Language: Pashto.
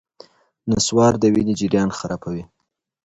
نصوار د وینې جریان خرابوي.